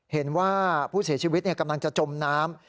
เห็นว่าผู้เสียชีวิตกำลังจะจมน้ำ